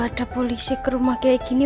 ada polisi ke rumah kayak gini